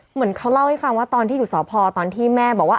เหมือนเขาเล่าให้ฟังว่าตอนที่อยู่สพตอนที่แม่บอกว่า